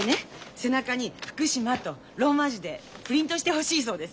背中に「ＦＵＫＵＳＨＩＭＡ」とローマ字でプリントしてほしいそうです。